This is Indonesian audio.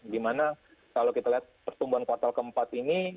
di mana kalau kita lihat pertumbuhan kuartal keempat ini